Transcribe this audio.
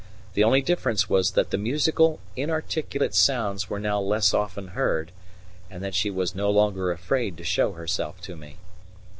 The only difference was that the musical, inarticulate sounds were now less often heard, and that she was no longer afraid to show herself to me.